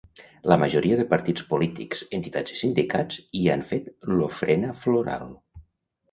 La majoria de partits polítics, entitats i sindicats hi han fet l'ofrena floral.